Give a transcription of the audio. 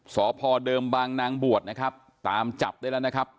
สพเดิมบางนางบวชนะครับตามจับได้แล้วนะครับ